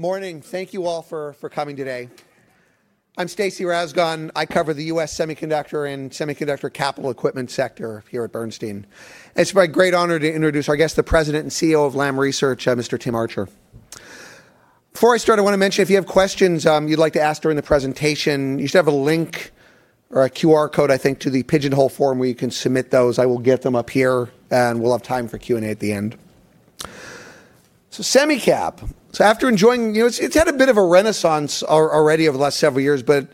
Morning. Thank you all for coming today. I'm Stacy Rasgon. I cover the U.S. semiconductor and semiconductor capital equipment sector here at Bernstein. It's my great honor to introduce our guest, the President and CEO of Lam Research, Mr. Tim Archer. Before I start, I want to mention, if you have questions you'd like to ask during the presentation, you should have a link or a QR code, I think, to the Pigeonhole form where you can submit those. I will get them up here, and we'll have time for Q&A at the end. Semi Cap. It's had a bit of a renaissance already over the last several years, but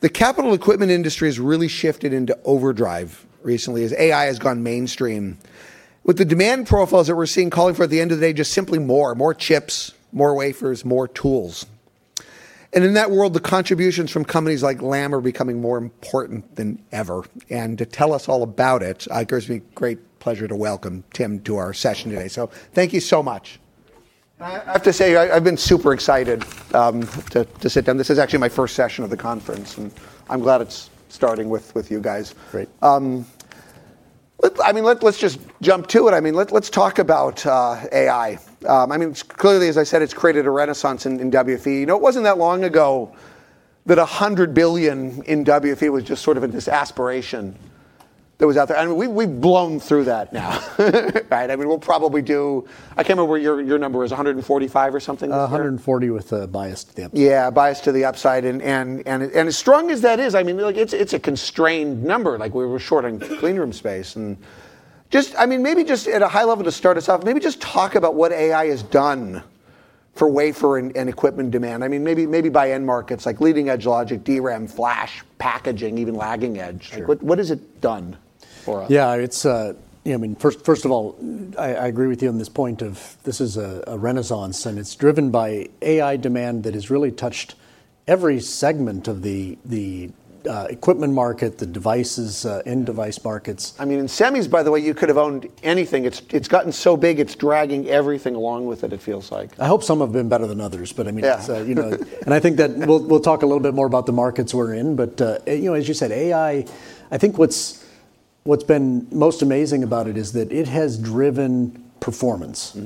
the capital equipment industry has really shifted into overdrive recently as AI has gone mainstream. With the demand profiles that we're seeing calling for at the end of the day, just simply more. More chips, more wafers, more tools. In that world, the contributions from companies like Lam are becoming more important than ever. To tell us all about it gives me great pleasure to welcome Tim to our session today. Thank you so much. I have to say, I've been super excited to sit down. This is actually my first session of the conference. I'm glad it's starting with you guys. Great. Let's just jump to it. Let's talk about AI. Clearly, as I said, it's created a renaissance in WFE. It wasn't that long ago that $100 billion in WFE was just sort of this aspiration that was out there, and we've blown through that now. Right? We'll probably do. I can't remember what your number is, $145 or something? $140 with a bias to the upside. Yeah, bias to the upside. As strong as that is, it's a constrained number, like we were short on clean room space. Maybe just at a high level to start us off, maybe just talk about what AI has done for wafer and equipment demand. Maybe by end markets like leading-edge logic, DRAM, flash, packaging, even lagging edge. Sure. What has it done for us? Yeah. First of all, I agree with you on this point of this is a renaissance. It's driven by AI demand that has really touched every segment of the equipment market, the devices, end device markets. In semis, by the way, you could've owned anything. It's gotten so big, it's dragging everything along with it feels like. I hope some have been better than others, I mean. Yeah. I think that we'll talk a little bit more about the markets we're in. As you said, AI, I think what's been most amazing about it is that it has driven performance,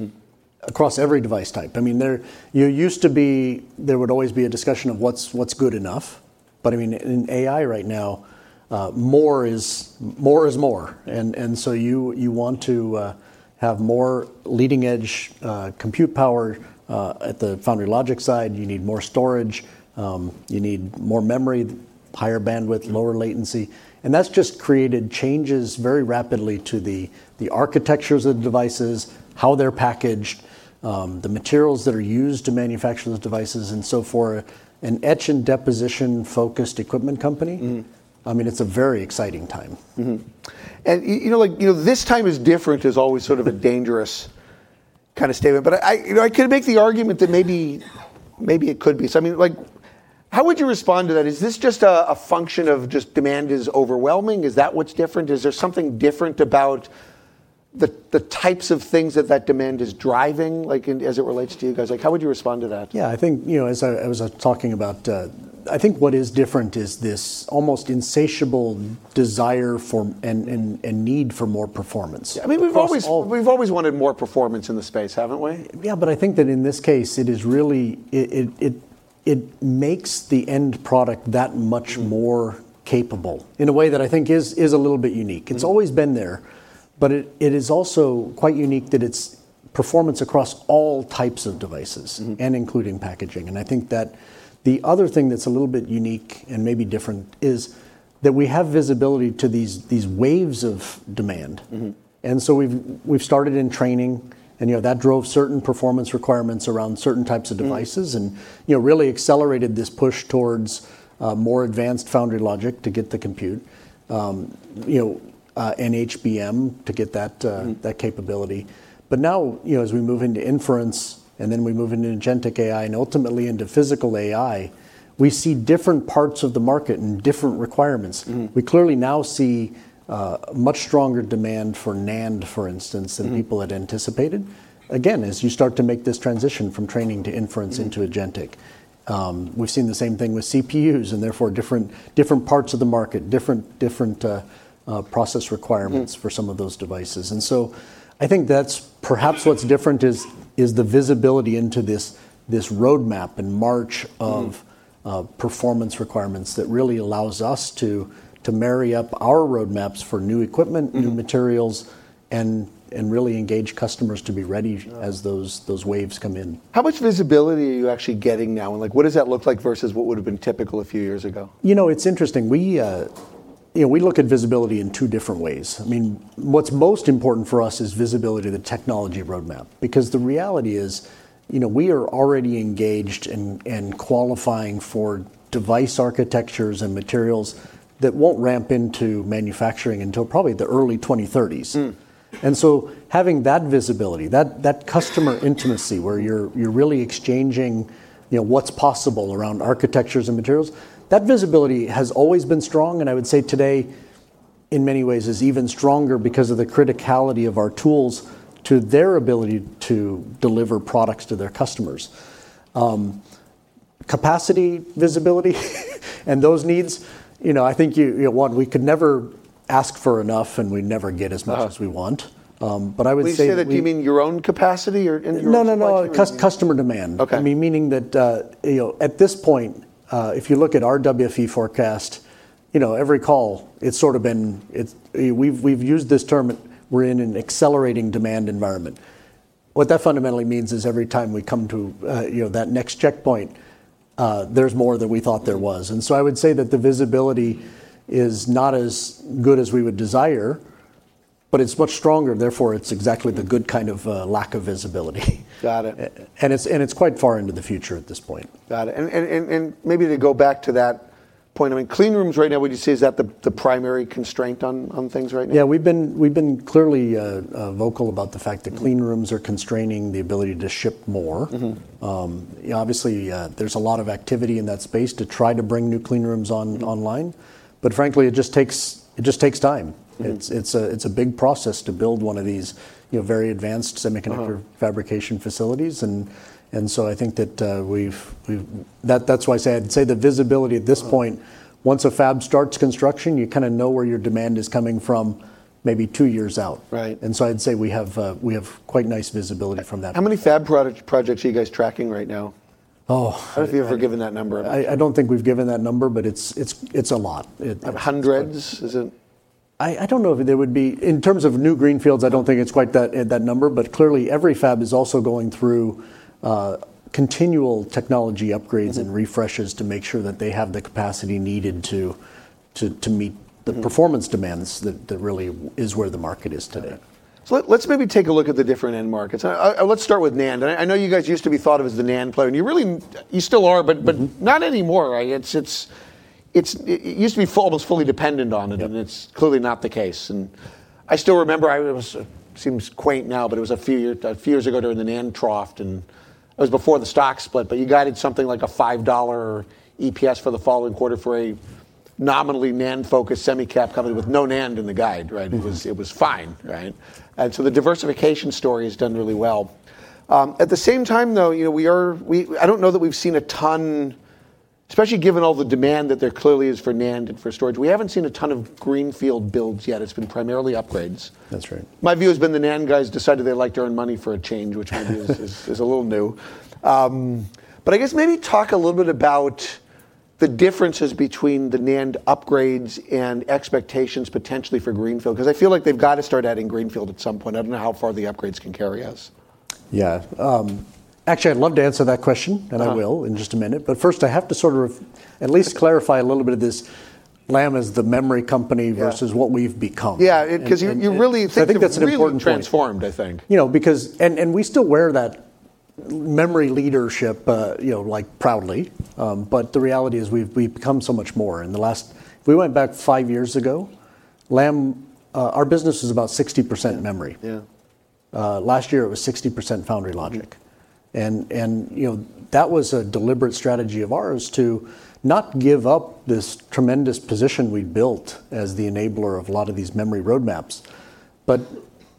across every device type. There used to be, there would always be a discussion of what's good enough. In AI right now, more is more. You want to have more leading-edge compute power at the foundry logic side. You need more storage. You need more memory, higher bandwidth, lower latency. That's just created changes very rapidly to the architectures of devices, how they're packaged, the materials that are used to manufacture those devices, and so for an etch and deposition focused equipment company. It's a very exciting time. This time is different, is always sort of a dangerous kind of statement. I could make the argument that maybe it could be. How would you respond to that? Is this just a function of just demand is overwhelming? Is that what's different? Is there something different about the types of things that that demand is driving, like as it relates to you guys? How would you respond to that? Yeah. I think, as I was talking about, I think what is different is this almost insatiable desire for, and need for more performance. Yeah. Across all- We've always wanted more performance in the space, haven't we? Yeah, I think that in this case, it makes the end product that much more capable in a way that I think is a little bit unique. It's always been there. It is also quite unique that it's performance across all types of devices. Including packaging. I think that the other thing that's a little bit unique and maybe different is that we have visibility to these waves of demand. We've started in training, and that drove certain performance requirements around certain types of devices. Really accelerated this push towards more advanced foundry logic to get the compute, HBM to get that capability. Now, as we move into inference, and then we move into agentic AI, and ultimately into physical AI, we see different parts of the market and different requirements. We clearly now see much stronger demand for NAND, for instance than people had anticipated. Again, as you start to make this transition from training to inference into agentic. We've seen the same thing with CPUs, and therefore, different parts of the market, different process requirements, for some of those devices. I think that's perhaps what's different is the visibility into this roadmap and march of performance requirements that really allows us to marry up our roadmaps for new equipment new materials, and really engage customers to be ready as those waves come in. How much visibility are you actually getting now, and what does that look like versus what would've been typical a few years ago? It's interesting. We look at visibility in two different ways. What's most important for us is visibility to technology roadmap. The reality is, we are already engaged and qualifying for device architectures and materials that won't ramp into manufacturing until probably the early 2030s. Having that visibility, that customer intimacy where you're really exchanging what's possible around architectures and materials, that visibility has always been strong, and I would say today, in many ways, is even stronger because of the criticality of our tools to their ability to deliver products to their customers. Capacity visibility and those needs. I think, one, we could never ask for enough, and we never get as much as we want. I would say that. When you say that, you mean your own capacity or in your supply chain or? No, customer demand. Okay. Meaning that at this point, if you look at our WFE forecast, every call, we've used this term, we're in an accelerating demand environment. What that fundamentally means is every time we come to that next checkpoint, there's more than we thought there was. I would say that the visibility is not as good as we would desire, but it's much stronger, therefore it's exactly the good kind of lack of visibility. Got it. It's quite far into the future at this point. Got it. Maybe to go back to that point, clean rooms right now, would you say, is that the primary constraint on things right now? Yeah. We've been clearly vocal about the fact that clean rooms are constraining the ability to ship more. Obviously, there's a lot of activity in that space to try to bring new clean rooms online, but frankly, it just takes time. It's a big process to build one of these very advanced semiconductor fabrication facilities. That's why I'd say the visibility at this point. Once a fab starts construction, you kind of know where your demand is coming from maybe two years out. Right. I'd say we have quite nice visibility from that point. How many fab projects are you guys tracking right now? Oh. I don't know if you've ever given that number. I don't think we've given that number, but it's a lot. Hundreds, is it? I don't know if there would be. In terms of new greenfields, I don't think it's quite that number. Clearly every fab is also going through continual technology upgrades and refreshes to make sure that they have the capacity needed to meet the performance demands that really is where the market is today. Got it. Let's maybe take a look at the different end markets. Let's start with NAND. I know you guys used to be thought of as the NAND player, and you still are, not anymore, right? It used to be almost fully dependent on it-. Yep It's clearly not the case. I still remember, it seems quaint now, but it was a few years ago during the NAND trough, and it was before the stock split, but you guided something like a $5 EPS for the following quarter for a nominally NAND-focused semi cap company with no NAND in the guide, right? It was fine, right? The diversification story has done really well. At the same time, though, I don't know that we've seen a ton, especially given all the demand that there clearly is for NAND and for storage. We haven't seen a ton of greenfield builds yet. It's been primarily upgrades. That's right. My view has been the NAND guys decided they'd like to earn money for a change, which is a little new. I guess maybe talk a little bit about the differences between the NAND upgrades and expectations potentially for greenfield, because I feel like they've got to start adding greenfield at some point. I don't know how far the upgrades can carry us. Yeah. Actually, I'd love to answer that question, and I will in just a minute, but first I have to at least clarify a little bit of this Lam as the memory company. Yeah versus what we've become. Yeah. I think that's an important point. I think really transformed, I think. We still wear that memory leadership proudly. The reality is we've become so much more. If we went back five years ago, Lam, our business was about 60% memory. Yeah. Last year, it was 60% foundry logic. That was a deliberate strategy of ours to not give up this tremendous position we built as the enabler of a lot of these memory roadmaps.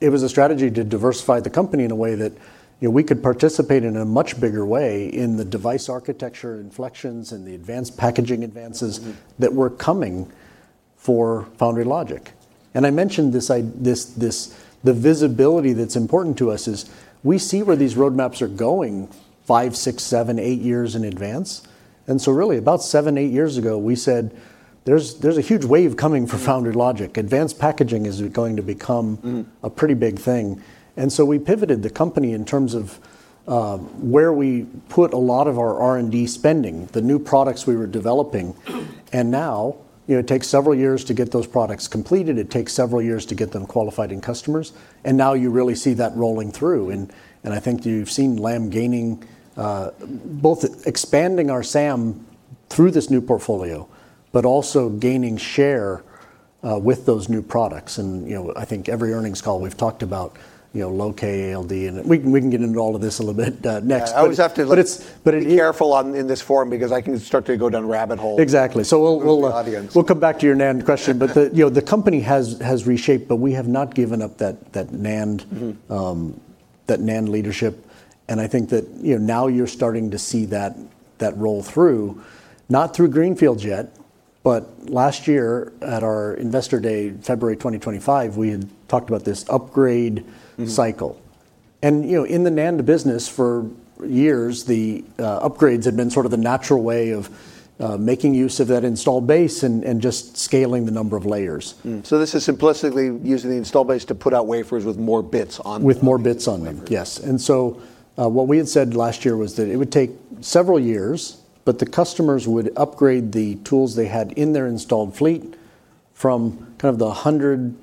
It was a strategy to diversify the company in a way that we could participate in a much bigger way in the device architecture inflections and the advanced packaging advances that were coming for foundry logic. I mentioned the visibility that's important to us is we see where these roadmaps are going five, six, seven, eight years in advance. Really about seven, eight years ago, we said, There's a huge wave coming for foundry logic. Advanced packaging is going to become a pretty big thing. We pivoted the company in terms of where we put a lot of our R&D spending, the new products we were developing. Now, it takes several years to get those products completed, it takes several years to get them qualified in customers, and now you really see that rolling through. I think you've seen Lam gaining, both expanding our SAM through this new portfolio, but also gaining share with those new products. I think every earnings call we've talked about low-k ALD, and we can get into all of this a little bit next. Yeah. But it's- be careful in this forum because I can start to go down rabbit holes. Exactly. we'll- With the audience. come back to your NAND question. The company has reshaped, but we have not given up that NAND leadership. I think that now you're starting to see that roll through, not through greenfields yet, but last year at our investor day, February 2025, we had talked about this upgrade cycle. In the NAND business for years, the upgrades had been sort of the natural way of making use of that installed base and just scaling the number of layers. This is simplistically using the install base to put out wafers with more bits. With more bits on them. wafer. Yes. What we had said last year was that it would take several years, but the customers would upgrade the tools they had in their installed fleet from the 100+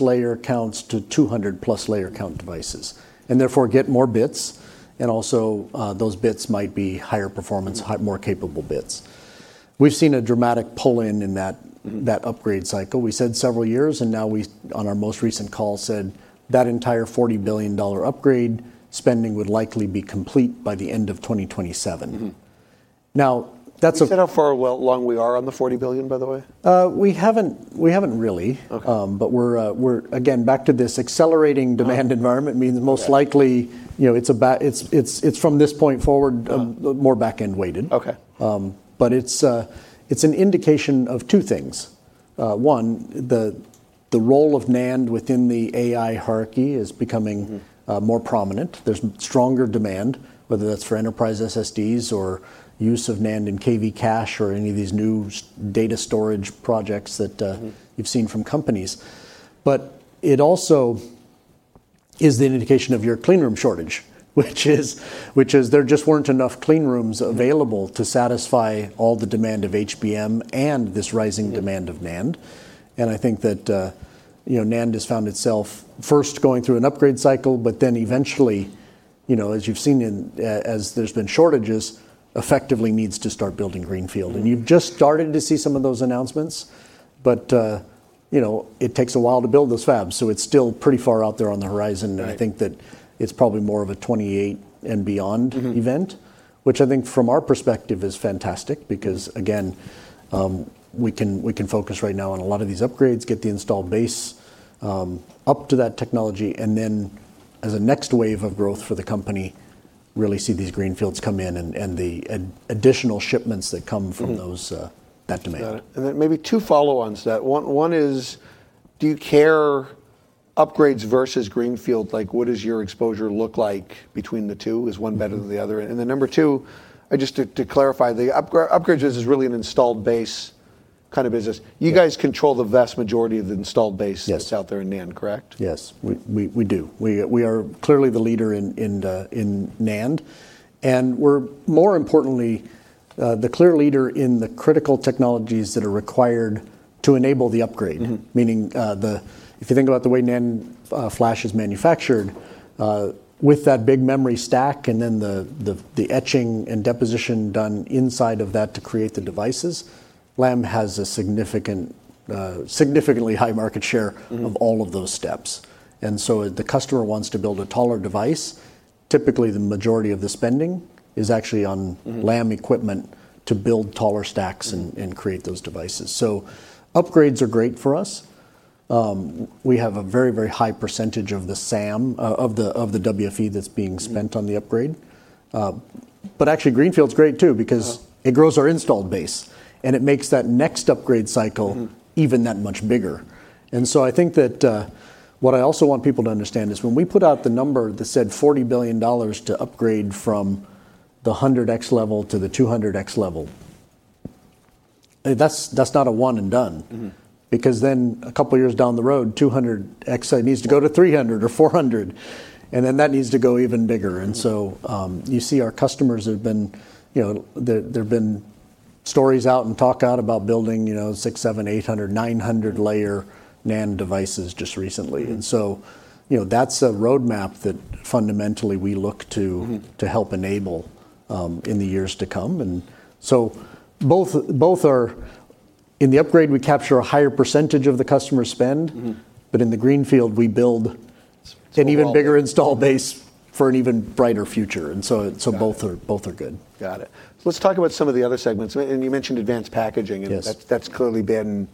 layer counts to 200+ layer count devices, and therefore get more bits, and also those bits might be higher performance, higher more capable bits. We've seen a dramatic pull in that upgrade cycle. We said several years, and now we, on our most recent call, said that entire $40 billion upgrade spending would likely be complete by the end of 2027. Now, that's. Have you said how far along we are on the $40 billion, by the way? We haven't really. Okay. We're, again, back to this accelerating demand environment. Okay. means most likely, it's from this point forward more back-end weighted. Okay. It's an indication of two things. One, the role of NAND within the AI hierarchy is becoming more prominent. There's stronger demand, whether that's for enterprise SSDs or use of NAND in KV cache or any of these new data storage projects that you've seen from companies. It also is the indication of your clean room shortage, which is there just weren't enough clean rooms available to satisfy all the demand of HBM and this rising demand. Yeah of NAND. I think that NAND has found itself first going through an upgrade cycle, but then eventually, as you've seen, as there's been shortages, effectively needs to start building greenfield. You've just started to see some of those announcements, but it takes a while to build those fabs, so it's still pretty far out there on the horizon. Right. I think that it's probably more of a 2028 and beyond event. Which I think from our perspective is fantastic because, again, we can focus right now on a lot of these upgrades, get the installed base up to that technology, and then as a next wave of growth for the company, really see these greenfields come in and the additional shipments that come from those that demand. Got it. Maybe two follow-ons to that. One is, do you care upgrades versus greenfield? What does your exposure look like between the two? Is one better than the other? Number two, just to clarify, the upgrades is really an installed base kind of business. You guys control the vast majority of the installed base. Yes That's out there in NAND, correct? Yes. We do. We are clearly the leader in NAND, and we're more importantly, the clear leader in the critical technologies that are required to enable the upgrade. Meaning, if you think about the way NAND flash is manufactured, with that big memory stack and then the etching and deposition done inside of that to create the devices, Lam has a significantly high market share of all of those steps. If the customer wants to build a taller device, typically the majority of the spending is actually on Lam equipment, to build taller stacks and create those devices. Upgrades are great for us. We have a very high % of the WFE that's being spent on the upgrade. Actually, greenfield's great, too because it grows our installed base, and it makes that next upgrade cycle. EVen that much bigger. I think that what I also want people to understand is when we put out the number that said $40 billion to upgrade from the 100X level to the 200X level, that's not a one and done. A couple of years down the road, 200X needs to go to 300X or 400X, and then that needs to go even bigger. You see our customers, there've been stories out and talk out about building 600, 700, 800, 900 layer NAND devices just recently. That's a roadmap that fundamentally we look to help enable in the years to come. In the upgrade, we capture a higher percentage of the customer spend. In the greenfield, we build- It's for the long term. an even bigger install base for an even brighter future. Both are good. Got it. Let's talk about some of the other segments. You mentioned advanced packaging. Yes That's clearly been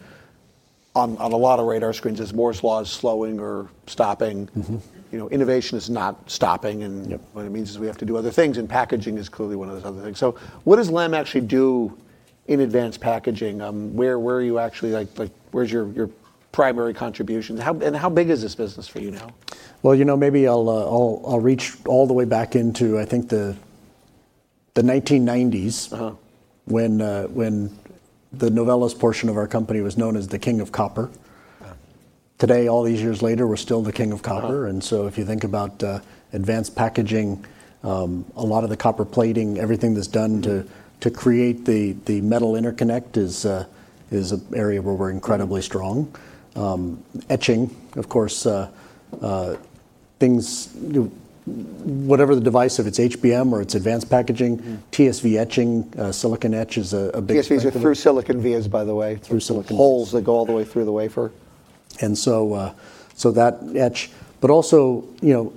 on a lot of radar screens as Moore's Law is slowing or stopping. Innovation is not stopping. Yep What it means is we have to do other things, and packaging is clearly one of those other things. What does Lam actually do in advanced packaging? Where are you actually, where's your primary contribution? How big is this business for you now? Well, maybe I'll reach all the way back into, I think, the 1990s, when the Novellus portion of our company was known as the King of Copper. Yeah. Today, all these years later, we're still the King of Copper. If you think about advanced packaging, a lot of the copper plating, everything that's done to create the metal interconnect is an area where we're incredibly strong. Etching, of course, whatever the device, if it's HBM or it's advanced packaging. TSV etching, silicon etch is a big. TSV is the through-silicon vias, by the way. Through silicon Holes that go all the way through the wafer. That etch, but also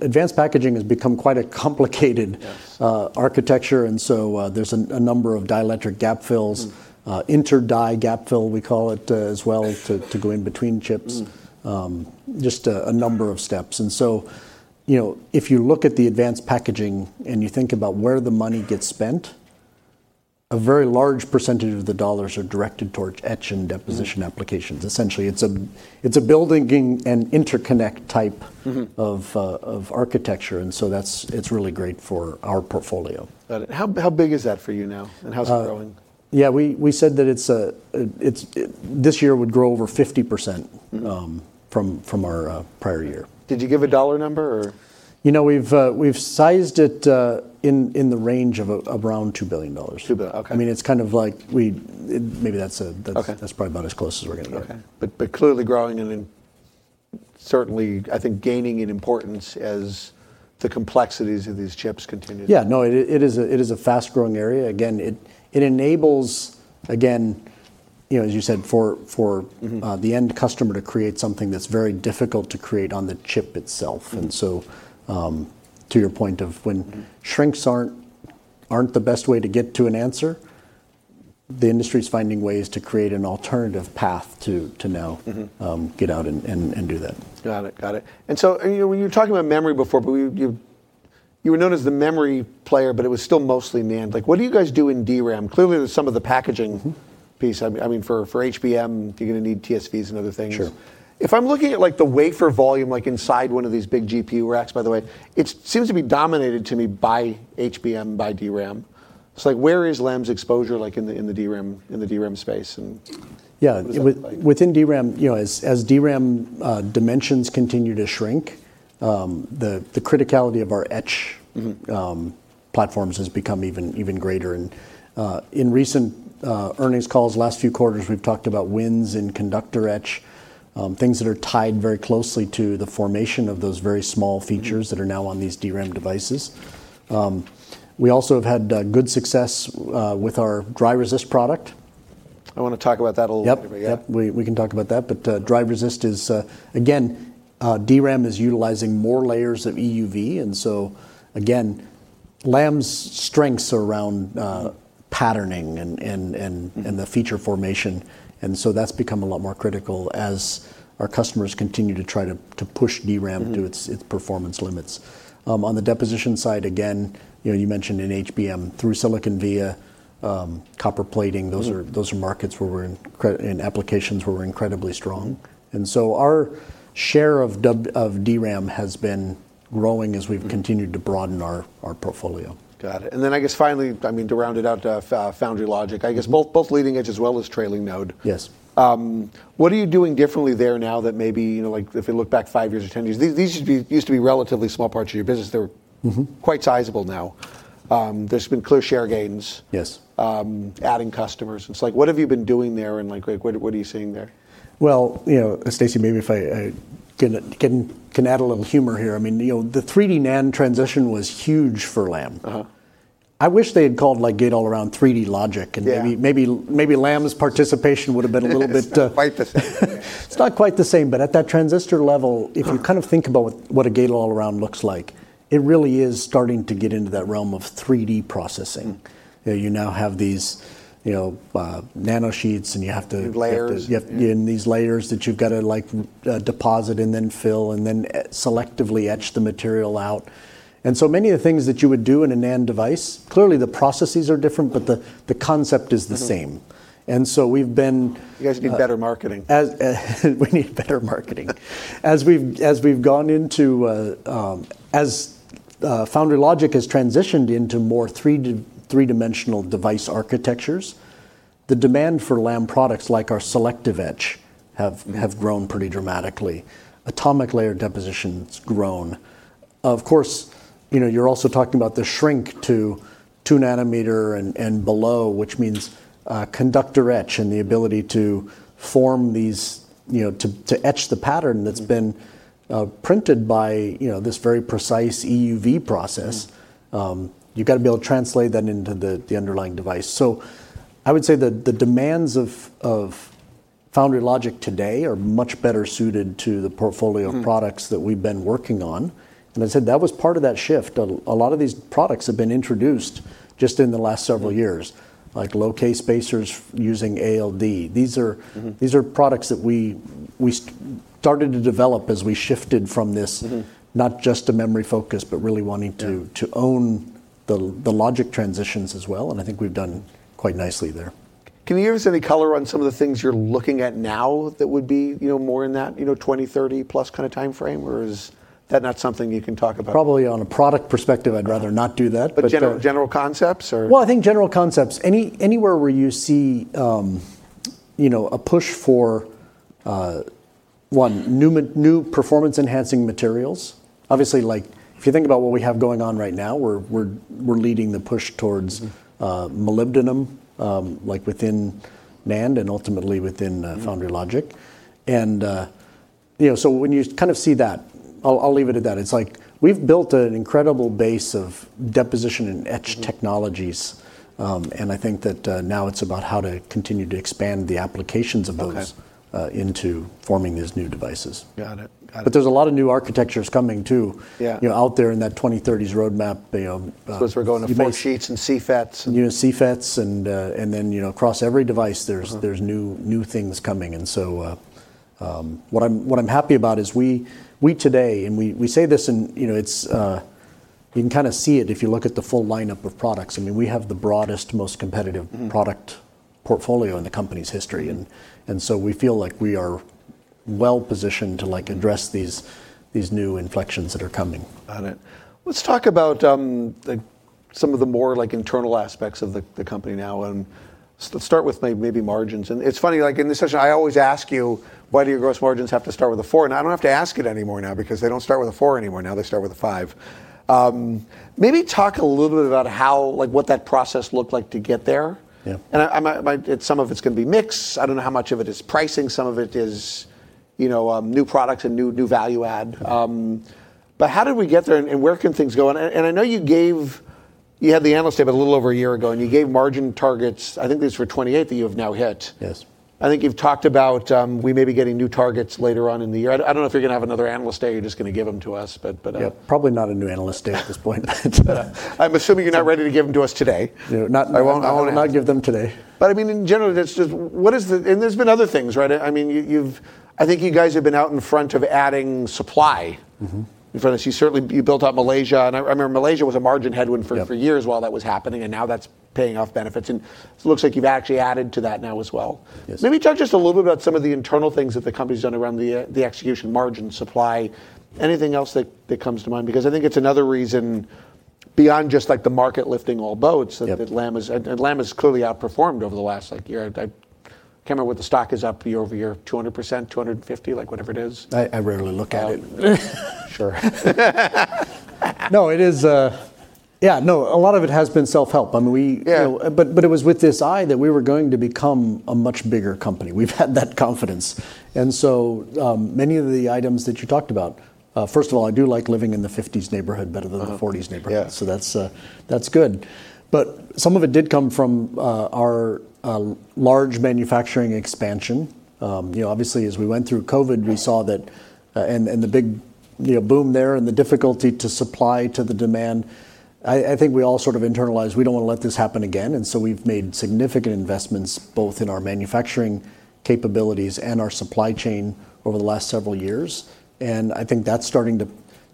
advanced packaging has become quite a complicated. Yes architecture, and so there's a number of dielectric gap fills. Inter die gap fill, we call it, as well, to go in between chips. Just a number of steps. If you look at the advanced packaging and you think about where the money gets spent, a very large percentage of the dollars are directed towards etch and deposition applications. Essentially, it's a building and interconnect type of architecture, and so it's really great for our portfolio. Got it. How big is that for you now, and how's it growing? Yeah, we said that this year it would grow over 50% from our prior year. Did you give a dollar number or? We've sized it in the range of around $2 billion. $2 billion. Okay. Maybe that's probably about as close as we're going to get. Okay. Clearly growing and then certainly, I think, gaining in importance as the complexities of these chips continue to. Yeah, no, it is a fast-growing area. Again, it enables, as you said. The end customer to create something that's very difficult to create on the chip itself. To your point of when shrinks aren't the best way to get to an answer, the industry's finding ways to create an alternative path to now. Get out and do that. Got it. Got it. When you were talking about memory before, but you were known as the memory player, but it was still mostly NAND. What do you guys do in DRAM? Clearly, there's some of the packaging piece. For HBM, you're going to need TSVs and other things. Sure. If I'm looking at the wafer volume inside one of these big GPU racks, by the way, it seems to be dominated to me by HBM, by DRAM. Where is Lam's exposure in the DRAM space? Yeah What does that look like? Within DRAM, as DRAM dimensions continue to shrink, the criticality of our platforms has become even greater. In recent earnings calls, last few quarters, we've talked about wins in conductor etch, things that are tied very closely to the formation of those very small features that are now on these DRAM devices. We also have had good success with our dry resist product. I want to talk about that a little bit. Yep. Dry resist is, again, DRAM is utilizing more layers of EUV, Lam's strengths are around patterning and the feature formation, that's become a lot more critical as our customers continue to try to push DRAM to its performance limits. On the deposition side, again, you mentioned in HBM through-silicon via copper plating. Those are markets and applications where we're incredibly strong. Our share of DRAM has been growing as we've continued to broaden our portfolio. Got it, I guess finally, to round it out, foundry logic. I guess both leading edge as well as trailing node. Yes. What are you doing differently there now that maybe if you look back five years or 10 years, these used to be relatively small parts of your business quite sizable now. There's been clear share gains. Yes. Adding customers. What have you been doing there and what are you seeing there? Well, Stacy, maybe if I can add a little humor here. The 3D NAND transition was huge for Lam. I wish they had called gate-all-around 3D logic. Yeah maybe Lam's participation would've been a little bit- Not quite the same. It's not quite the same, but at that transistor level, if you think about what a gate-all-around looks like, it really is starting to get into that realm of 3D processing. You now have these nanosheets. Layers Yeah, these layers that you've got to deposit and then fill, and then selectively etch the material out. Many of the things that you would do in a NAND device, clearly the processes are different, but the concept is the same. We've been. You guys need better marketing. We need better marketing. As foundry logic has transitioned into more three-dimensional device architectures, the demand for Lam products, like our selective etch, have grown pretty dramatically. Atomic Layer Deposition's grown. Of course, you're also talking about the shrink to two nanometer and below, which means conductor etch and the ability to etch the pattern that's been printed by this very precise EUV process. You've got to be able to translate that into the underlying device. I would say the demands of foundry logic today are much better suited to the portfolio of products that we've been working on. I said that was part of that shift. A lot of these products have been introduced just in the last several years, like low-k spacers using ALD. These are products that we started to develop as we shifted from this not just a memory focus, but really wanting to. Yeah to own the logic transitions as well, and I think we've done quite nicely there. Can you give us any color on some of the things you're looking at now that would be more in that 2030+ kind of timeframe, or is that not something you can talk about? Probably on a product perspective, I'd rather not do that. General concepts. Well, I think general concepts, anywhere where you see a push for, one, new performance-enhancing materials. Obviously, if you think about what we have going on right now, we're leading the push towards molybdenum within NAND and ultimately within foundry logic. When you kind of see that, I'll leave it at that. It's like we've built an incredible base of deposition and etch technologies, and I think that now it's about how to continue to expand the applications of those. Okay into forming these new devices. Got it. There's a lot of new architectures coming too. Yeah out there in that 2030s roadmap. We're going to forksheets and CFETs. CFETs and then across every device there's new things coming. What I'm happy about is we today, and we say this and you can kind of see it if you look at the full lineup of products, we have the broadest, most competitive product portfolio in the company's history. We feel like we are well positioned to address these new inflections that are coming. Got it. Let's talk about some of the more internal aspects of the company now, and let's start with maybe margins. It's funny, in this session, I always ask you why do your gross margins have to start with a four, and I don't have to ask it anymore now because they don't start with a four anymore now. They start with a five. Maybe talk a little bit about what that process looked like to get there. Yeah. Some of it's going to be mix. I don't know how much of it is pricing. Some of it is new products and new value add. How did we get there and where can things go? I know you had the Analyst Day about a little over a year ago, and you gave margin targets, I think these were 2028, that you have now hit. Yes. I think you've talked about we may be getting new targets later on in the year. I don't know if you're going to have another analyst day or you're just going to give them to us. Yeah. Probably not a new analyst day at this point. I'm assuming you're not ready to give them to us today. No. I won't give them today. In general, there's been other things, right? I think you guys have been out in front of adding supply. You certainly built out Malaysia, and I remember Malaysia was a margin headwind for-. Yeah years while that was happening, and now that's paying off benefits. It looks like you've actually added to that now as well. Yes. Maybe talk just a little bit about some of the internal things that the company's done around the execution margin supply. Anything else that comes to mind, because I think it's another reason beyond just the market lifting all boats. Yeah that Lam has clearly outperformed over the last year. I can't remember what the stock is up year-over-year, 200%, 250%? Whatever it is. I rarely look at it. Sure. No, a lot of it has been self-help. Yeah. It was with this eye that we were going to become a much bigger company. We've had that confidence. Many of the items that you talked about, first of all, I do like living in the 50s neighborhood better than the 40s neighborhood. Yeah. That's good. Some of it did come from our large manufacturing expansion. Obviously as we went through COVID and the big boom there and the difficulty to supply to the demand, I think we all sort of internalized, we don't want to let this happen again. We've made significant investments both in our manufacturing capabilities and our supply chain over the last several years. I think that's starting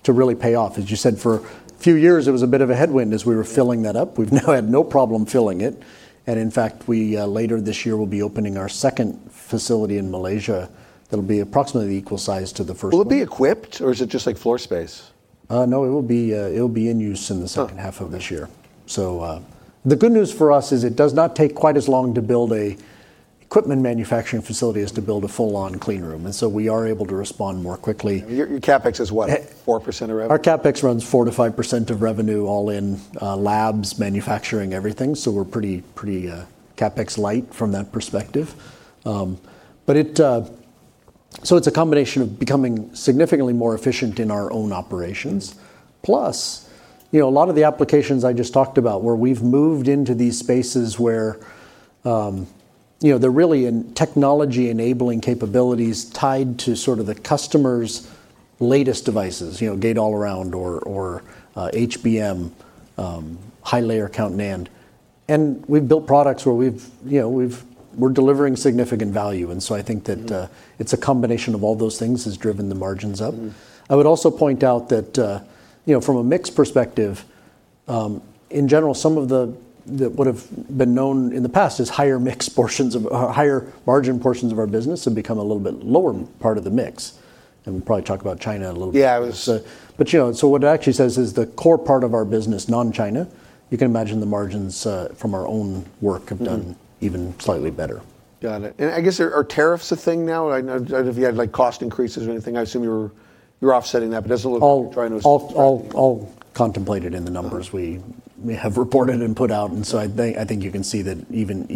to really pay off. As you said, for a few years, it was a bit of a headwind as we were filling that up. We've now had no problem filling it. In fact, we, later this year, will be opening our second facility in Malaysia that'll be approximately equal size to the first one. Will it be equipped or is it just floor space? No, it will be in use in the second half of this year. Okay. The good news for us is it does not take quite as long to build an equipment manufacturing facility as to build a full-on clean room, and so we are able to respond more quickly. Your CapEx is what? 4% of revenue? Our CapEx runs 4%-5% of revenue all in, labs, manufacturing, everything. We're pretty CapEx light from that perspective. It's a combination of becoming significantly more efficient in our own operations. Plus, a lot of the applications I just talked about, where we've moved into these spaces where they're really in technology-enabling capabilities tied to sort of the customer's latest devices, gate-all-around or HBM, high layer count NAND. We've built products where we're delivering significant value. I think that it's a combination of all those things has driven the margins up. I would also point out that from a mix perspective, in general, some of what have been known in the past as higher margin portions of our business have become a little bit lower part of the mix, and we'll probably talk about China a little bit. Yeah. What it actually says is the core part of our business, non-China, you can imagine the margins from our own work have done even slightly better. Got it. I guess, are tariffs a thing now? I don't know if you had cost increases or anything. I assume you're offsetting that. All contemplated in the numbers we have reported and put out, and so I think you can see that even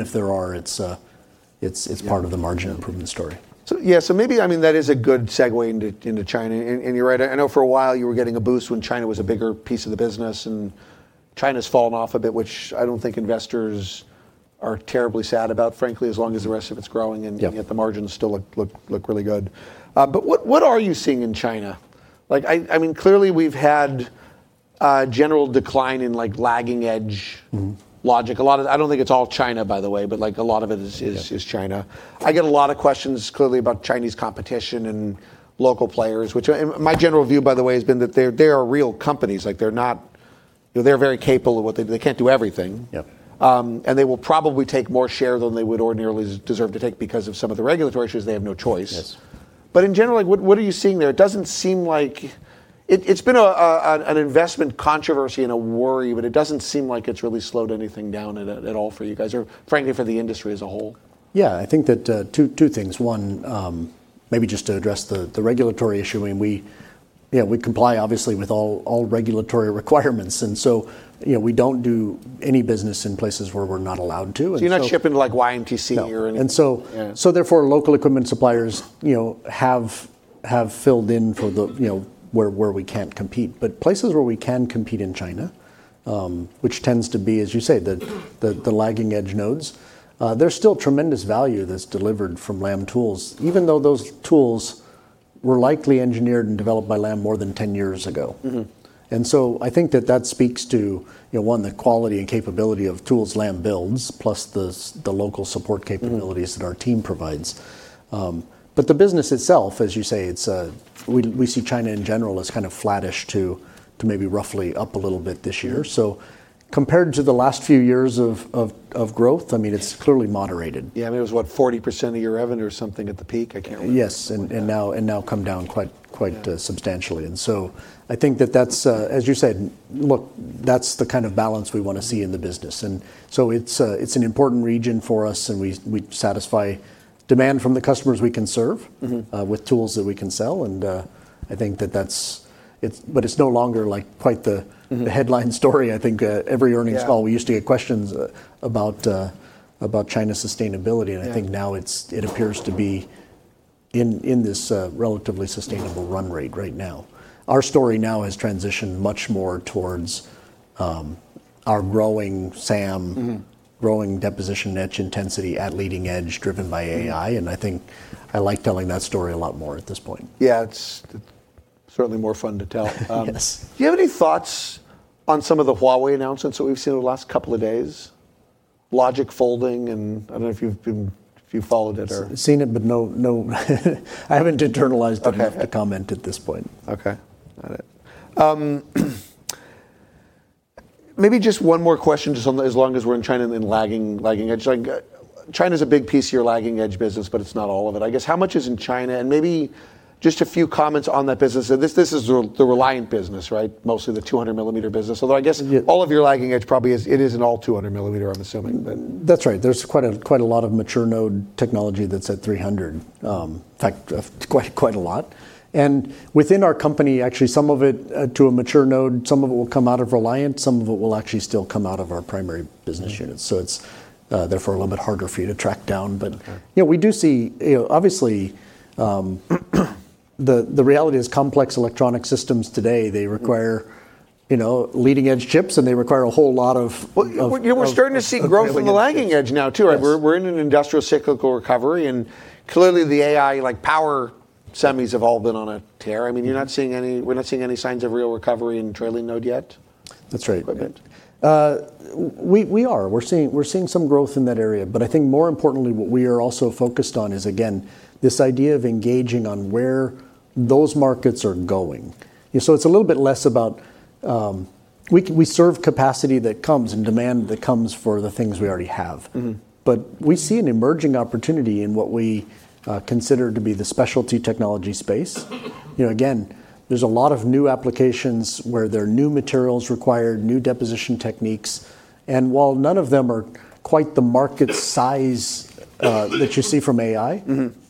if there are, it's part of the margin improvement story. Yeah. Maybe that is a good segue into China, and you're right. I know for a while you were getting a boost when China was a bigger piece of the business, China's fallen off a bit, which I don't think investors are terribly sad about, frankly, as long as the rest of it's growing. Yeah Yet the margins still look really good. What are you seeing in China? Clearly, we've had a general decline in lagging edge logic. I don't think it's all China, by the way, but a lot of it is China. I get a lot of questions, clearly, about Chinese competition and local players. My general view, by the way, has been that they are real companies. They're very capable of what they do. They can't do everything. Yep. They will probably take more share than they would ordinarily deserve to take because of some of the regulatory issues, they have no choice. Yes. In general, what are you seeing there? It's been an investment controversy and a worry, but it doesn't seem like it's really slowed anything down at all for you guys or frankly for the industry as a whole. Yeah. I think that two things. One, maybe just to address the regulatory issue. We comply obviously with all regulatory requirements. We don't do any business in places where we're not allowed to. You're not shipping to YMTC or anything? No. Yeah. Therefore, local equipment suppliers have filled in for where we can't compete. Places where we can compete in China, which tends to be, as you say, the lagging edge nodes, there's still tremendous value that's delivered from Lam tools, even though those tools were likely engineered and developed by Lam more than 10 years ago. I think that that speaks to one, the quality and capability of tools Lam builds, plus the local support capabilities that our team provides. The business itself, as you say, we see China in general as kind of flattish to maybe roughly up a little bit this year. Compared to the last few years of growth, it's clearly moderated. Yeah. It was, what, 40% of your revenue or something at the peak? I can't remember. Yes. Now come down quite substantially. I think that that's, as you said, look, that's the kind of balance we want to see in the business. It's an important region for us, and we satisfy demand from the customers we can serve. With tools that we can sell. It's no longer quite the headline story. I think every earnings call. Yeah We used to get questions about China sustainability, and I think now it appears to be in this relatively sustainable run rate right now. Our story now has transitioned much more towards our growing SAM growing deposition etch intensity at leading edge driven by AI, and I think I like telling that story a lot more at this point. Yeah. It's certainly more fun to tell. Yes. Do you have any thoughts on some of the Huawei announcements that we've seen over the last couple of days? Logic folding and I don't know if you've followed it. Seen it, but no. I haven't internalized it. Okay enough to comment at this point. Okay. Got it. Maybe just one more question, just as long as we're in China and then lagging edge. China's a big piece of your lagging edge business, but it's not all of it. I guess, how much is in China, and maybe just a few comments on that business. This is the Reliant business, right? Mostly the 200 mm business. Yes It isn't all 200 mm, I'm assuming. That's right. There's quite a lot of mature node technology that's at 300 mm. In fact, quite a lot. Within our company, actually some of it, to a mature node, some of it will come out of Reliant, some of it will actually still come out of our primary business units. It's therefore a little bit harder for you to track down. Okay We do see, obviously, the reality is complex electronic systems today they require, leading edge chips and they require a whole lot of. Well, we're starting to see growth in the lagging edge now, too. Yes. We're in an industrial cyclical recovery, and clearly the AI power semis have all been on a tear. I mean, we're not seeing any signs of real recovery in trailing node yet? That's right. We are. We're seeing some growth in that area. I think more importantly, what we are also focused on is, again, this idea of engaging on where those markets are going. It's a little bit less about. We serve capacity that comes and demand that comes for the things we already have. We see an emerging opportunity in what we consider to be the specialty technology space. Again, there's a lot of new applications where there are new materials required, new deposition techniques. While none of them are quite the market size that you see from AI.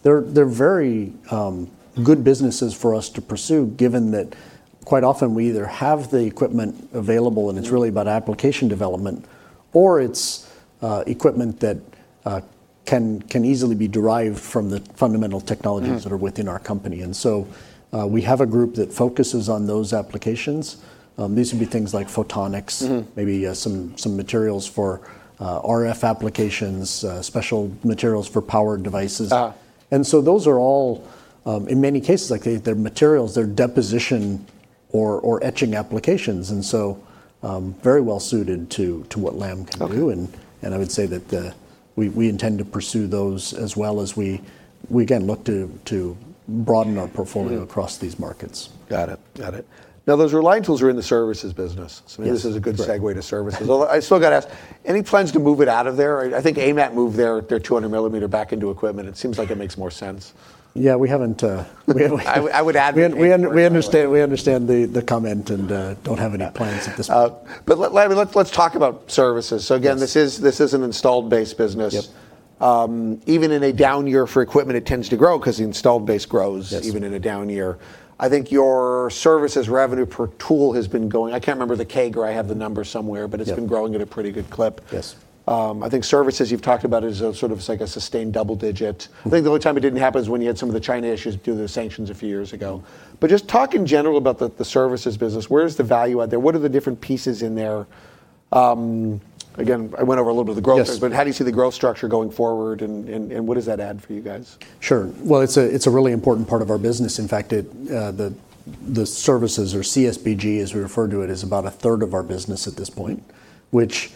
They're very good businesses for us to pursue, given that quite often we either have the equipment available. It's really about application development, or it's equipment that can easily be derived from the fundamental technologies that are within our company. We have a group that focuses on those applications. These would be things like photonics maybe some materials for RF applications, special materials for power devices. Those are all, in many cases, they're materials, they're deposition or etching applications. Very well suited to what Lam can do. Okay. I would say that we intend to pursue those as well as we, again, look to broaden our portfolio across these markets. Got it. Those Reliant tools are in the services business. Yes. Maybe this is a good segue to services. I still got to ask, any plans to move it out of there? I think AMAT moved their 200 mm back into equipment. It seems like it makes more sense. Yeah, we haven't- I would advocate for it, by the way. We understand the comment and don't have any plans at this point. Let's, let's talk about services. Yes. Again, this is an installed base business. Yep. Even in a down year for equipment, it tends to grow because the installed base grows. Yes Even in a down year. I think your services revenue per tool has been going, I can't remember the CAGR, I have the number somewhere, but it's. Yeah been growing at a pretty good clip. Yes. I think services, you've talked about, is sort of like a sustained double digit. I think the only time it didn't happen is when you had some of the China issues due to the sanctions a few years ago. Just talk in general about the services business. Where is the value add there? What are the different pieces in there? Again, I went over a little bit of the growth. Yes How do you see the growth structure going forward and what does that add for you guys? Sure. Well, it's a really important part of our business. In fact, the services or CSBG, as we refer to it, is about a third of our business at this point, which,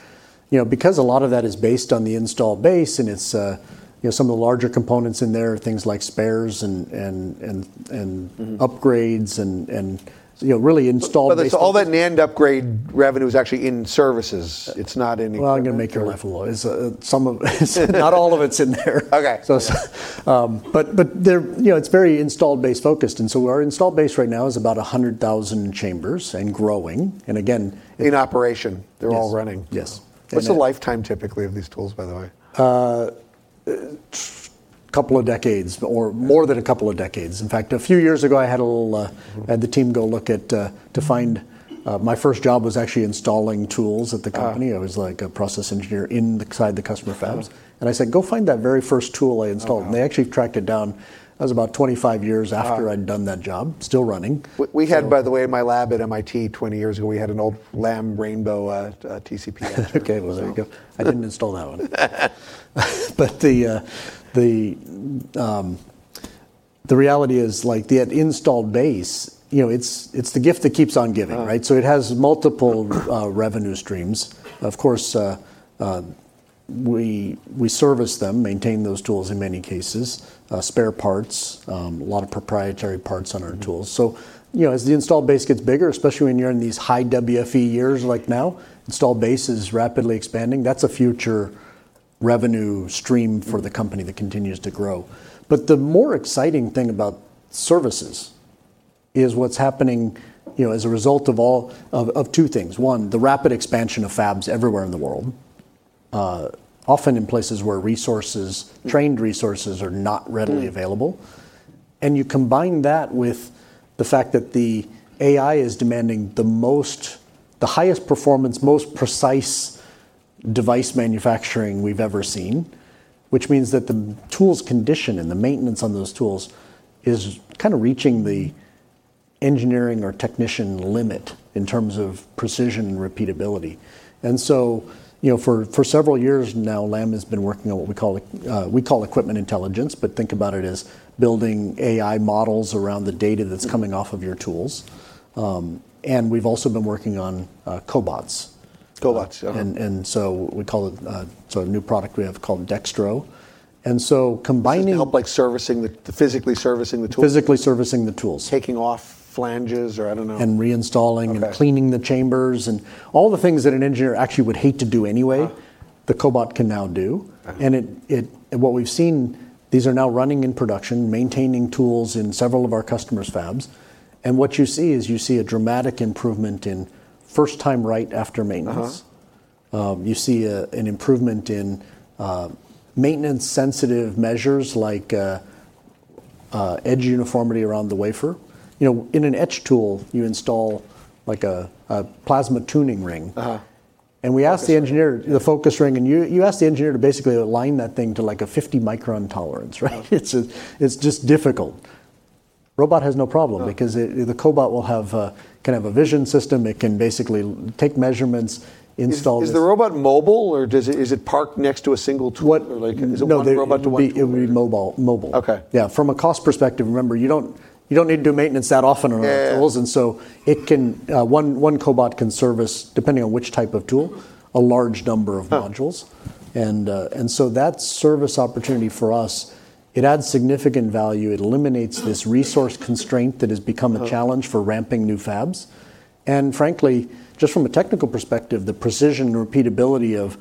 because a lot of that is based on the installed base and some of the larger components in there are things like spares, upgrades and really All that NAND upgrade revenue is actually in services. It's not in equipment. Well, I'm going to make your life a little. Some of it, not all of it's in there. Okay. It's very installed base focused, and so our installed base right now is about 100,000 chambers and growing. In operation. Yes. They're all running. Yes. What's the lifetime, typically, of these tools, by the way? A couple of decades, or more than a couple of decades. In fact, a few years ago, I had the team go look at, to find, my first job was actually installing tools at the company. I was a process engineer inside the customer fabs. Oh. I said, Go find that very first tool I installed. Oh, wow. They actually tracked it down. That was about 25 years after I'd done that job, still running. We had, by the way, my lab at MIT 20 years ago, we had an old Lam Rainbow TCP Etcher. Okay, well there you go. I didn't install that one. The reality is, the installed base, it's the gift that keeps on giving, right? Oh. It has multiple revenue streams. Of course, we service them, maintain those tools in many cases, spare parts, a lot of proprietary parts on our tools. As the installed base gets bigger, especially when you are in these high WFE years like now, installed base is rapidly expanding. That's a future revenue stream for the company that continues to grow. The more exciting thing about services is what's happening as a result of two things. One, the rapid expansion of fabs everywhere in the world, often in places where trained resources are not readily available. You combine that with the fact that the AI is demanding the highest performance, most precise-Device manufacturing we've ever seen, which means that the tools condition and the maintenance on those tools is kind of reaching the engineering or technician limit in terms of precision and repeatability. For several years now, Lam has been working on what we call Equipment Intelligence, but think about it as building AI models around the data that's coming off of your tools. We've also been working on cobots. Cobots, yeah. We call it a new product we have called Dextro. Does this help physically servicing the tools? Physically servicing the tools. Taking off flanges or I don't know. And reinstalling- Okay Cleaning the chambers and all the things that an engineer actually would hate to do anyway. The cobot can now do. What we've seen, these are now running in production, maintaining tools in several of our customers' fabs. What you see is you see a dramatic improvement in first time right after maintenance. You see an improvement in maintenance sensitive measures like edge uniformity around the wafer. In an etch tool, you install a plasma tuning ring. And we ask the engineer- Focus ring. Yeah the focus ring, and you ask the engineer to basically align that thing to like a 50 micron tolerance, right? Yeah. It's just difficult. Robot has no problem. No because the cobot can have a vision system. It can basically take measurements, install this- Is the robot mobile, or is it parked next to a single tool? What- Like is it one robot to one tool? No, it would be mobile. Okay. Yeah. From a cost perspective, remember, you don't need to do maintenance that often around the tools. Yeah. One cobot can service, depending on which type of tool, a large number of modules. Oh. That service opportunity for us, it adds significant value. It eliminates this resource constraint that has become a challenge for ramping new fabs. Frankly, just from a technical perspective, the precision and repeatability of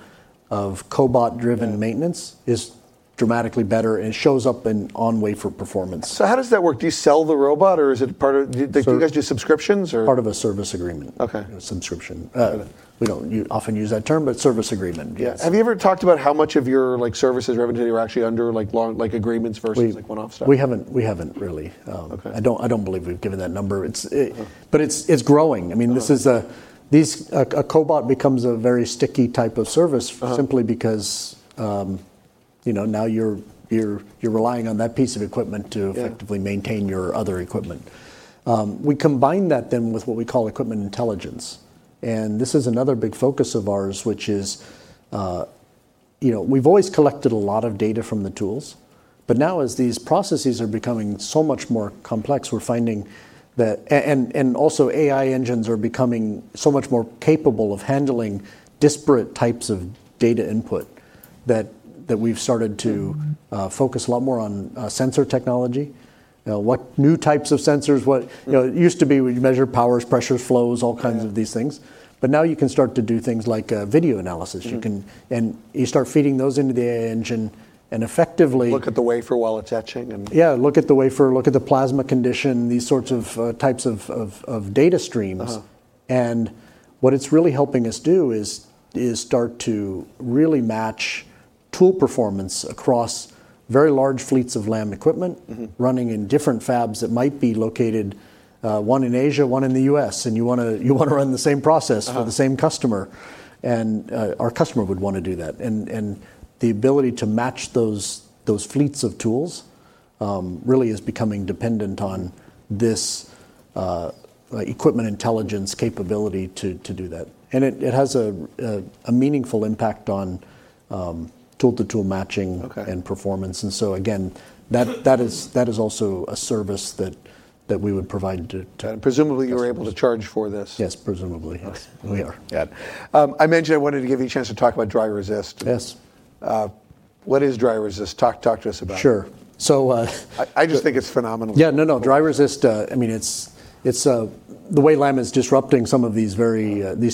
cobot-driven maintenance is dramatically better and shows up in on-wafer performance. How does that work? Do you sell the robot, or do you guys do subscriptions or? Part of a service agreement. Okay. A subscription. Okay. We don't often use that term, but service agreement, yes. Yeah. Have you ever talked about how much of your services revenue are actually under agreements versus one-offs? We haven't really. Okay. I don't believe we've given that number. Okay. It's growing. A cobot becomes a very sticky type of service simply because now you're relying on that piece of equipment- Yeah effectively maintain your other equipment. We combine that with what we call Equipment Intelligence. This is another big focus of ours, which is we've always collected a lot of data from the tools. Now as these processes are becoming so much more complex, also AI engines are becoming so much more capable of handling disparate types of data input. That we started to focus a lot more on sensor technology. What new types of sensors? It used to be we'd measure powers, pressures, flows, all kinds of these things, now you can start to do things like video analysis. You start feeding those into the AI engine. Yeah, look at the wafer, look at the plasma condition, these sorts of. Yeah types of data streams. What it's really helping us do is start to really match tool performance across very large fleets of Lam equipment. Running in different fabs that might be located one in Asia, one in the U.S., and you want to run the same process for the same customer, and our customer would want to do that. The ability to match those fleets of tools really is becoming dependent on this Equipment Intelligence capability to do that. It has a meaningful impact on tool to tool matching. Okay and performance. Again, that is also a service that we would provide to customers. Presumably, you're able to charge for this. Yes, presumably. Yes, we are. Yeah. I mentioned I wanted to give you a chance to talk about dry resist. Yes. What is dry resist? Talk to us about it. Sure. I just think it's phenomenal. Yeah, no. Dry resist, the way Lam is disrupting some of these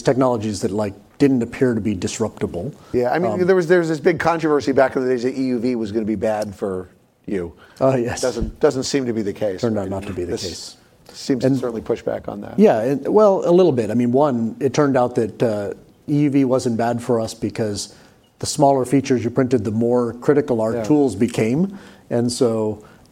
technologies that didn't appear to be disruptable. Yeah. There was this big controversy back in the days that EUV was going to be bad for you. Oh, yes. Doesn't seem to be the case. Turned out not to be the case. This seems to certainly push back on that. Yeah. Well, a little bit. One, it turned out that EUV wasn't bad for us because the smaller features you printed, the more critical our tools became. Yeah.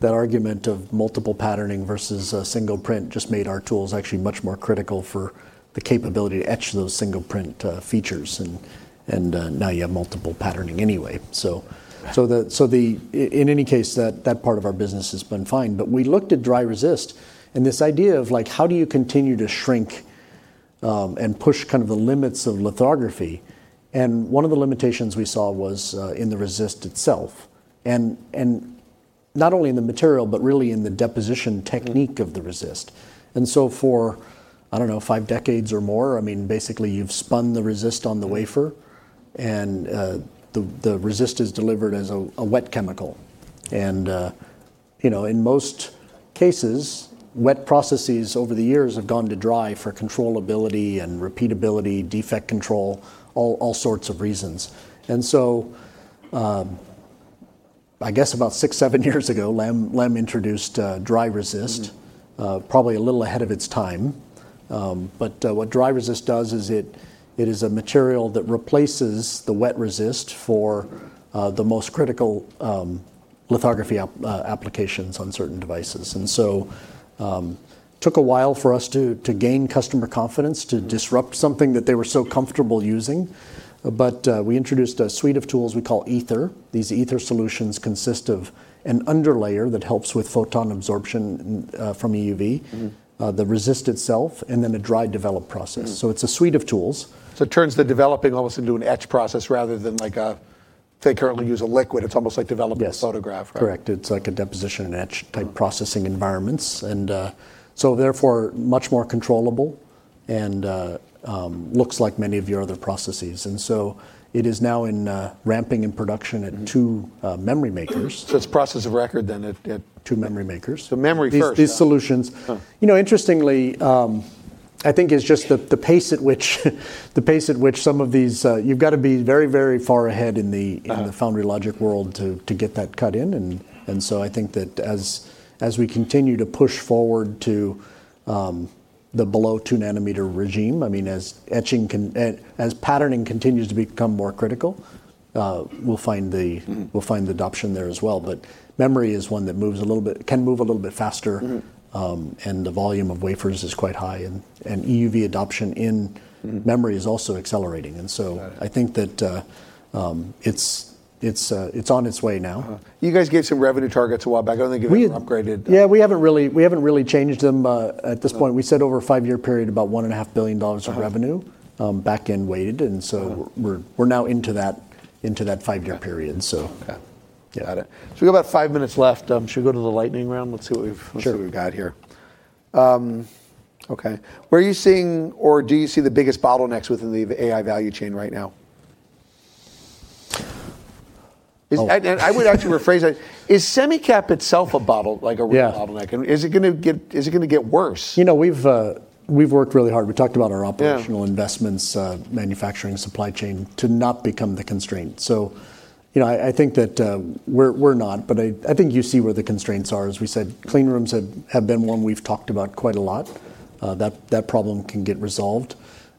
That argument of multiple patterning versus a single print just made our tools actually much more critical for the capability to etch those single print features and now you have multiple patterning anyway. Right. In any case, that part of our business has been fine. We looked at dry resist, and this idea of how do you continue to shrink and push kind of the limits of lithography, and one of the limitations we saw was in the resist itself. Not only in the material, but really in the deposition technique of the resist. For, I don't know, five decades or more, basically you've spun the resist on the wafer, and the resist is delivered as a wet chemical. In most cases, wet processes over the years have gone to dry for controllability and repeatability, defect control, all sorts of reasons. I guess about six, seven years ago, Lam introduced dry resist. Probably a little ahead of its time. What dry resist does is it is a material that replaces the wet resist for the most critical lithography applications on certain devices. Took a while for us to gain customer confidence, to disrupt something that they were so comfortable using. We introduced a suite of tools we call Aether. These Aether solutions consist of an underlayer that helps with photon absorption from EUV, the resist itself, and then a dry develop process. It's a suite of tools. It turns the developing almost into an etch process rather than, like a, they currently use a liquid. Yes a photograph, right? Correct. It's like a deposition and etch type processing environments. Therefore, much more controllable, and looks like many of your other processes. It is now in ramping in production at two memory makers. It's process of record then. Two memory makers. Memory first. Yeah. These solutions. Huh. Interestingly, I think it's just the pace at which You've got to be very far ahead in the foundry logic world to get that cut in. I think that as we continue to push forward to the below two nanometer regime, as patterning continues to become more critical, we'll find adoption there as well. Memory is one that can move a little bit faster. The volume of wafers is quite high, and EUV adoption in memory is also accelerating. Got it. I think that it's on its way now. You guys gave some revenue targets a while back. I don't think you've upgraded. We haven't really changed them, at this point. We said over a five-year period, about one and a half billion dollars of revenue backend weighted, and so we're now into that five-year period. Okay. Got it. We've got about five minutes left. Should we go to the lightning round? Sure got here. Okay. Where are you seeing, or do you see the biggest bottlenecks within the AI value chain right now? I would actually rephrase that. Is semi cap itself a bottleneck? Yeah. Is it going to get worse? We've worked really hard. We talked about our operational investments. Yeah Manufacturing, supply chain, to not become the constraint. I think that we're not, but I think you see where the constraints are. As we said, clean rooms have been one we've talked about quite a lot. That problem can get resolved.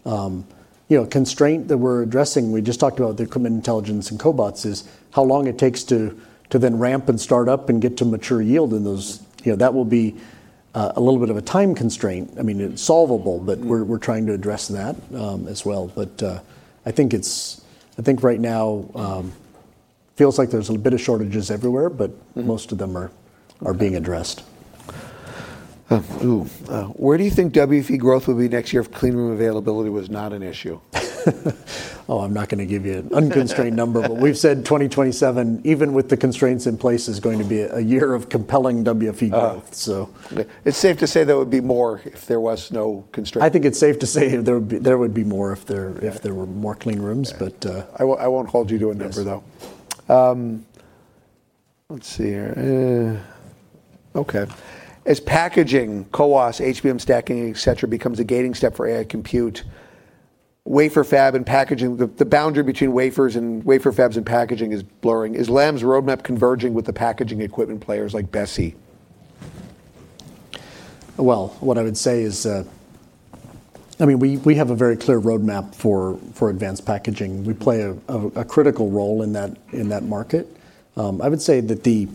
A constraint that we're addressing, we just talked about the Equipment Intelligence and cobots, is how long it takes to then ramp and start up and get to mature yield in those. That will be a little bit of a time constraint. It's solvable. We're trying to address that as well. I think right now, feels like there's a bit of shortages everywhere, but most of them are being addressed. Oh. Where do you think WFE growth will be next year if clean room availability was not an issue? Oh, I'm not going to give you an unconstrained number. We've said 2027, even with the constraints in place, is going to be a year of compelling WFE growth. Oh, okay. It's safe to say there would be more if there was no constraint. I think it's safe to say there would be more if there were more clean rooms. Yeah. I won't hold you to a number, though. Yes. Let's see here. Okay. As packaging, CoWoS, HBM stacking, et cetera, becomes a gating step for AI compute, wafer fab and packaging, the boundary between wafers and wafer fabs and packaging is blurring. Is Lam's roadmap converging with the packaging equipment players like BESI? Well, what I would say is we have a very clear roadmap for advanced packaging. We play a critical role in that market. I would say that the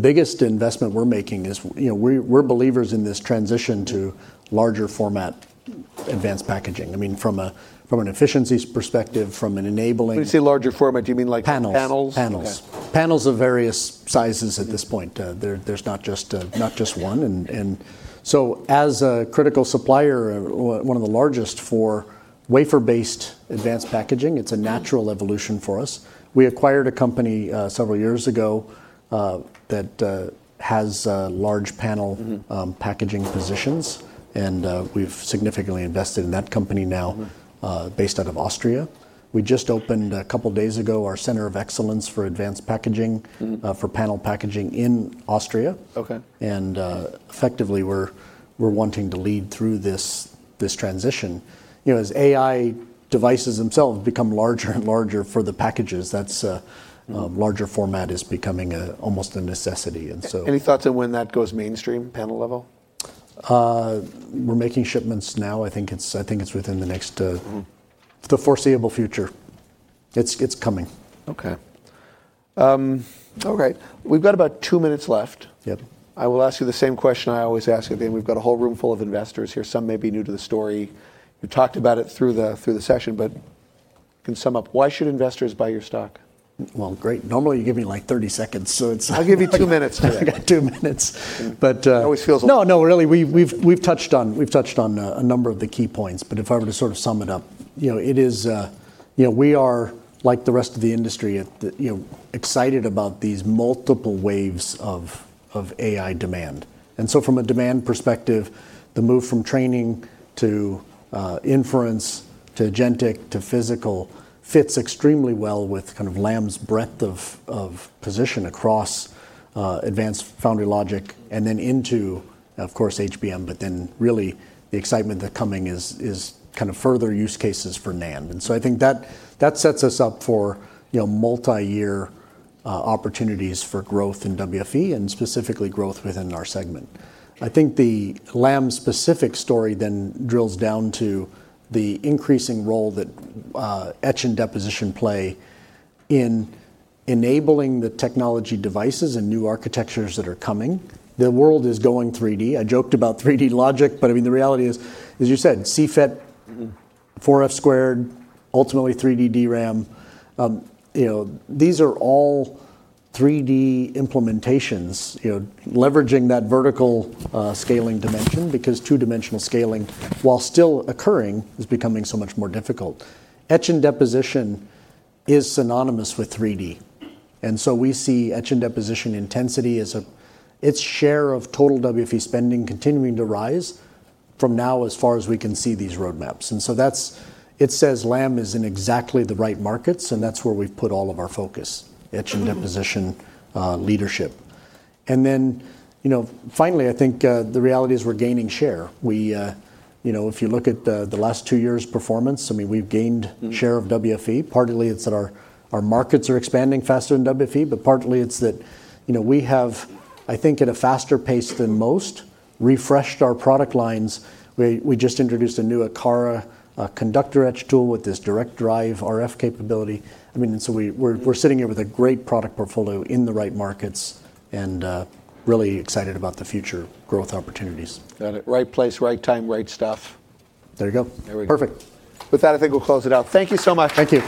biggest investment we're making is we're believers in this transition to larger format advanced packaging. From an efficiencies perspective, from an enabling- When you say larger format, do you mean like panels? Panels. Okay. Panels of various sizes at this point. There's not just one. As a critical supplier, one of the largest for wafer-based advanced packaging, it's a natural evolution for us. We acquired a company several years ago, that has large panel packaging positions, and we've significantly invested in that company now based out of Austria. We just opened, a couple of days ago, our center of excellence for advanced packaging for panel packaging in Austria. Okay. Effectively, we are wanting to lead through this transition. As AI devices themselves become larger and larger for the packages, that is a larger format becoming almost a necessity. Any thoughts on when that goes mainstream, panel level? We're making shipments now. The foreseeable future. It's coming. Okay. All right. We've got about two minutes left. Yep. I will ask you the same question I always ask at the end. We've got a whole room full of investors here. Some may be new to the story. We talked about it through the session. Can you sum up why should investors buy your stock? Well, great. Normally you give me 30 seconds. It's I'll give you two minutes today. I've got two minutes. Always feels a little- No, really, we've touched on a number of the key points. If I were to sort of sum it up, we are, like the rest of the industry, excited about these multiple waves of AI demand. From a demand perspective, the move from training to inference to agentic to physical fits extremely well with kind of Lam's breadth of position across advanced foundry logic, and then into, of course, HBM, but then really the excitement that coming is kind of further use cases for NAND. I think that sets us up for multi-year opportunities for growth in WFE, and specifically growth within our segment. I think the Lam-specific story drills down to the increasing role that etch and deposition play in enabling the technology devices and new architectures that are coming. The world is going 3D. I joked about 3D logic, but the reality is, as you said, CFET, 4F², ultimately 3D DRAM, these are all 3D implementations leveraging that vertical scaling dimension because two-dimensional scaling, while still occurring, is becoming so much more difficult. Etch and deposition is synonymous with 3D. We see etch and deposition intensity as its share of total WFE spending continuing to rise from now as far as we can see these roadmaps. It says Lam is in exactly the right markets, and that's where we've put all of our focus, etch and deposition leadership. Finally, I think the reality is we're gaining share. If you look at the last two years' performance, we've gained share of WFE. Partly it's that our markets are expanding faster than WFE. Partly it's that we have, I think at a faster pace than most, refreshed our product lines. We just introduced a new Akara conductor etch tool with this DirectDrive RF capability. We're sitting here with a great product portfolio in the right markets, and really excited about the future growth opportunities. Got it. Right place, right time, right stuff. There we go. There we go. Perfect. With that, I think we'll close it out. Thank you so much. Thank you.